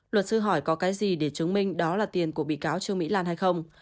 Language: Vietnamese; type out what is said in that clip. luật sư hỏi có cái gì để chứng minh đó là tiền của bị cáo trương mỹ lan hay không